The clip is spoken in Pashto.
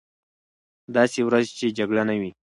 داسې ورځ چې جګړه نه وي.